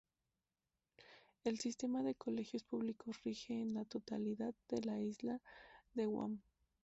El Sistema de Colegios Públicos rige en la totalidad de la isla de Guam.